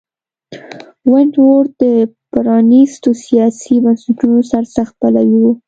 ونټ ورت د پرانیستو سیاسي بنسټونو سرسخت پلوی و.